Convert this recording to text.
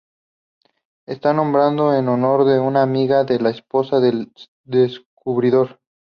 Está nombrado en honor de una amiga de la esposa del descubridor.